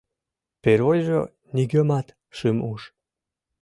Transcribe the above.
Первойжо нигӧмат шым уж.